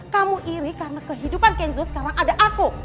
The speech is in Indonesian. kamu iri karena kehidupan kenzo sekarang ada aku